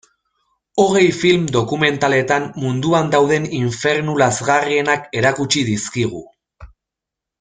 Hogei film dokumentaletan munduan dauden infernu lazgarrienak erakutsi dizkigu.